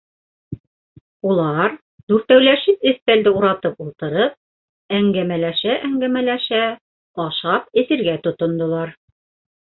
Улар, дүртәүләшеп өҫтәлде уратып ултырып, әңгәмәләшә-әңгәмәләшә, ашап-эсергә тотондолар.